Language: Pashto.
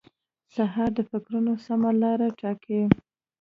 سهار د فکرونو سمه لار ټاکي.